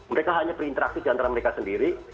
mereka hanya berinteraksi di antara mereka sendiri